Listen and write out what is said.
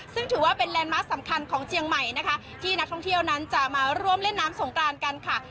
ซึ่งถือว่าเป็นแลนด์มาร์คสำคัญของเจียงใหม่นะคะที่นักท่องเที่ยวนั้นจะมาร่วมเล่นน้ำสงกรานกันค่ะ